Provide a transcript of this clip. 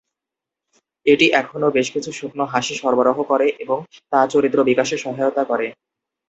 এটি এখনও "বেশ কিছু শুকনো হাসি" সরবরাহ করে এবং তা চরিত্র বিকাশে সহায়তা করে।